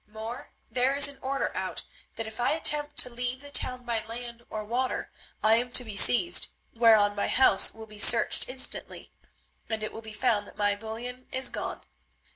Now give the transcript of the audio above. More, there is an order out that if I attempt to leave the town by land or water, I am to be seized, whereon my house will be searched instantly, and it will be found that my bullion is gone.